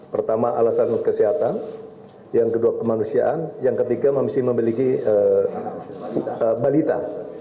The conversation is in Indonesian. pertama alasan kesehatan yang kedua kemanusiaan yang ketiga masih memiliki balita